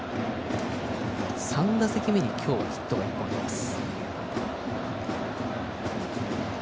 ３打席目にヒットが１本あります。